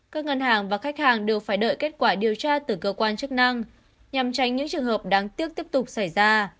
các ngân hàng và khách hàng đều phải đợi kết quả điều tra từ cơ quan chức năng nhằm tránh những trường hợp đáng tiếc tiếp tục xảy ra